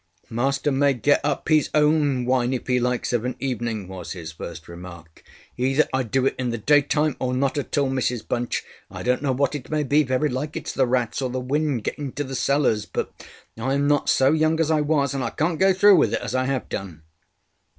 ŌĆ£Master may get up his own wine, if he likes, of an evening, ŌĆØ was his first remark. ŌĆ£Either I do it in the daytime or not at all, Mrs Bunch. I donŌĆÖt know what it may be: very like itŌĆÖs the rats, or the wind got into the cellars; but IŌĆÖm not so young as I was, and I canŌĆÖt go through with it as I have done.